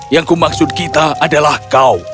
yang kumaksud kita adalah kau